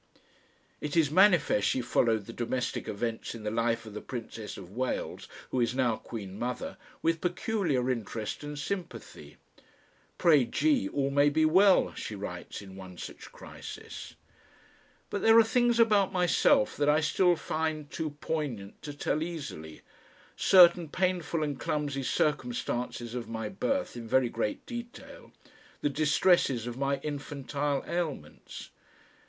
It is manifest she followed the domestic events in the life of the Princess of Wales, who is now Queen Mother, with peculiar interest and sympathy. "Pray G. all may be well," she writes in one such crisis. But there are things about myself that I still find too poignant to tell easily, certain painful and clumsy circumstances of my birth in very great detail, the distresses of my infantile ailments.